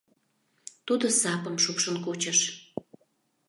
Тудо сапым шупшын кучыш.